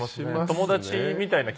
友達みたいな。